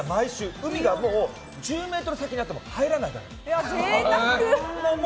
海が１０ｍ先にあっても入らないから。